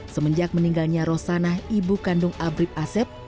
semenjak meninggalnya rosanah ibu kandung abrib asep